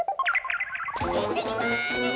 行ってきます！